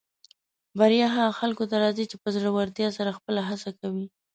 بریا هغه خلکو ته راځي چې په زړۀ ورتیا سره خپله هڅه کوي.